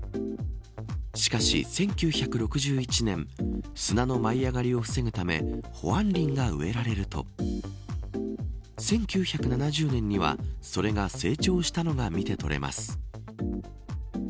しかし、１９６１年砂の舞い上がりを防ぐため保安林が植えられると１９７０年にはそれが成長したのが見て取れます。